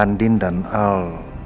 andin dan al